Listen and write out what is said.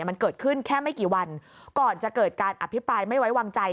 มันเกิดขึ้นแค่ไม่กี่วันก่อนจะเกิดการอภิปรายไม่ไว้วางใจ